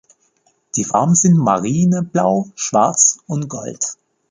Die Farben sind Marineblau, Schwarz und Gold.